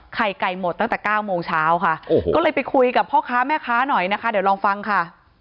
ไข่ไก่หมดตั้งแต่๙โมงเช้าค่ะก็เลยไปคุยกับพ่อค้าแม่ค้าหน่อยนะคะ